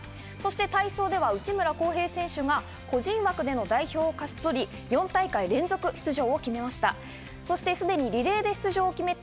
体操では内村航平選手が個人枠での代表を勝ち取り、４大会連続出場を決めました。